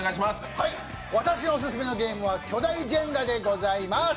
私のオススメのゲームは巨大ジェンガでございます。